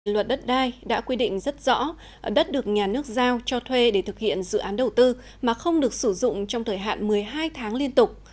luật đất đai đã quy định rất rõ đất được nhà nước giao cho thuê để thực hiện dự án đầu tư mà không được sử dụng trong thời hạn một mươi hai tháng liên tục